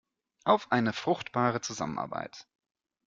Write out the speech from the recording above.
Auf eine fruchtbare Zusammenarbeit!